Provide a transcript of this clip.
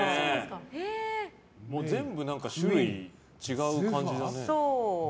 全部種類、違う感じだね。